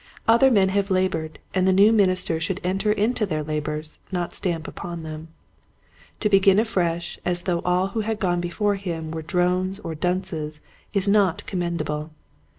Other men have labored and the new minister should enter into their labors, not stamp upon them. To begin afresh as though all who have gone before him were drones or dunces is not commendable.